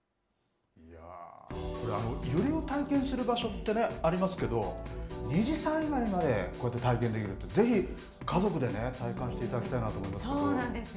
これ、揺れを体験する場所ってありますけど、二次災害までこうやって体験できるって、ぜひ家族で体感していただきたいなと思いますけど。